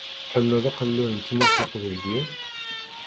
Tḥemmleḍ aqellal n Tmurt n yeqbayliyen?